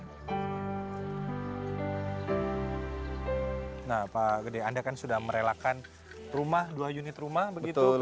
nah pak gede anda kan sudah merelakan rumah dua unit rumah begitu